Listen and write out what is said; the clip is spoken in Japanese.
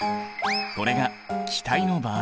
これが気体の場合。